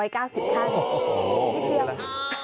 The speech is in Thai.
๓๗๙๐ขั้น